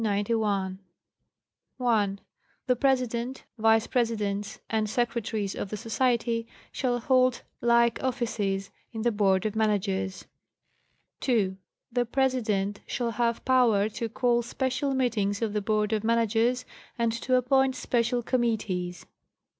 1.—The President, Vice Presidents and Secretaries of the Society shall hold like offices in the Board of Managers. 2.—The President 'shall have power to call special meetings of the Board of Managers and to appoint special committees.